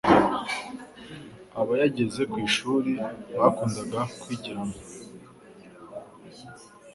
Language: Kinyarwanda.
aba yageze mu ishuri bakundaga kwigiramo